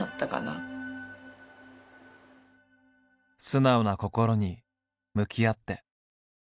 素直な心に向き合って。